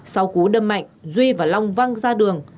sau cú đâm mạnh duy và long văng ra đường